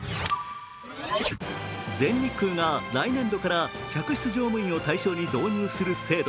全日空が来年度から客室乗務員を対象に導入する制度。